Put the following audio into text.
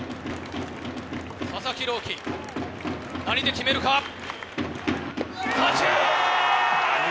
何で決めるか。